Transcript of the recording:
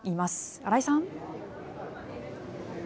新井さん。